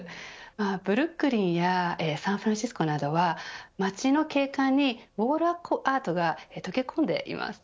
ブルックリンやサンフランシスコなどは街の景観にウォールアートが溶け込んでいます。